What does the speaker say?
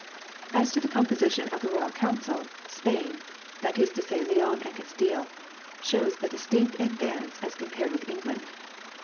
2 As to the composition of the Royal Council, Spain that is to say Leon and Castile shows a decided ad vance as compared with England.